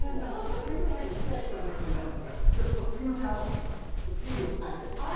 世界に１台しかないというものなんですが、きょうはちょっと、すみません、ちょっと敬意を込めて。